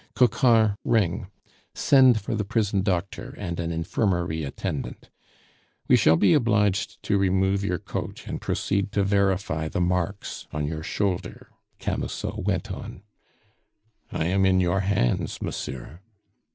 "Coquart, ring. Send for the prison doctor and an infirmary attendant. We shall be obliged to remove your coat and proceed to verify the marks on your shoulder," Camusot went on. "I am in your hands, monsieur."